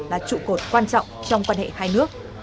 là trụ cột quan trọng trong quan hệ hai nước